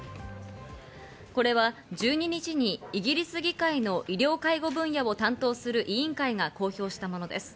これは１２日に、イギリス議会の医療介護分野を担当する委員会が公表したものです。